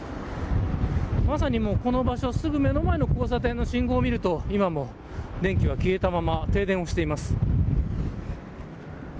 すぐ目の前の交差点の信号を見ると今も電気が消えたまま停電しています。